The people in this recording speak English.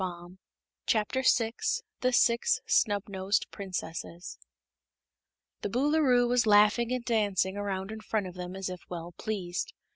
THE SIX SNUBNOSED PRINCESSES CHAPTER 6. The Boolooroo was laughing and dancing around in front of them as if well pleased.